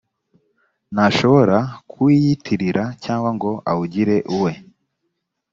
ntashobora kuwiyitirira cyangwa ngo awugire uwe.